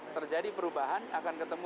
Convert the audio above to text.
terjadi perubahan akan ketemu